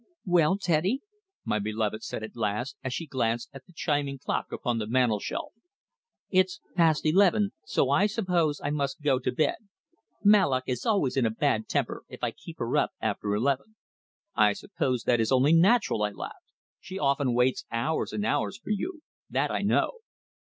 "Well, Teddy," my beloved said at last, as she glanced at the chiming clock upon the mantelshelf. "It's past eleven, so I suppose I must go to bed. Mallock is always in a bad temper if I keep her up after eleven." "I suppose that is only natural," I laughed. "She often waits hours and hours for you. That I know."